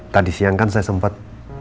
tadi siang kan saya sempat